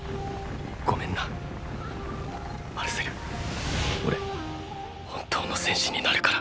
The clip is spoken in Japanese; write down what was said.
ごめんなマルセル俺本当の戦士になるから。